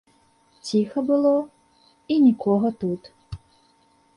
Ціха было, і нікога тут.